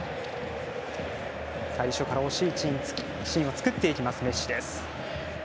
最初から惜しいシーンを作っていきます、メッシです。